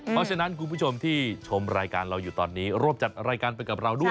เพราะฉะนั้นคุณผู้ชมที่ชมรายการเราอยู่ตอนนี้ร่วมจัดรายการไปกับเราด้วย